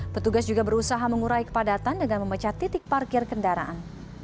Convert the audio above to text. petugas juga berusaha mengurai kepadatan dengan memecah titik parkir kendaraan